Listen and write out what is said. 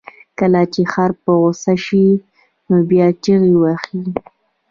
کله چې خر په غوسه شي، نو بیا چغې وهي.